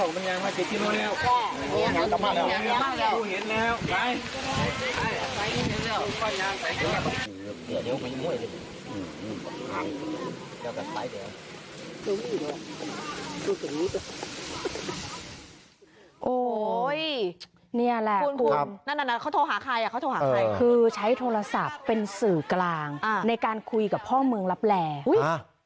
แบบครัวคือใช้โทรศัพท์เป็นสื่อกลางในการคุยกับพ่อเรือคงและ